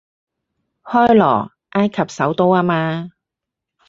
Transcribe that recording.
開羅，埃及首都吖嘛